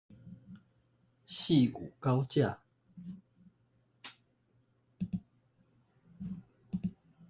汐五高架